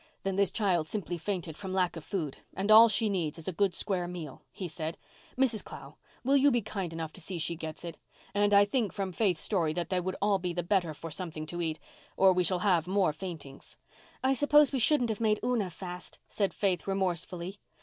"Then this child simply fainted from lack of food and all she needs is a good square meal," he said. "Mrs. Clow, will you be kind enough to see she gets it? And I think from Faith's story that they all would be the better for something to eat, or we shall have more faintings." "I suppose we shouldn't have made Una fast," said Faith remorsefully.